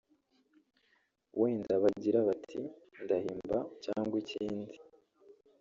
wenda bagira bati ndahimba cyangwa ikindi